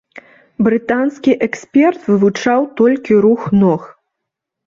Брытанскі эксперт вывучаў толькі рух ног.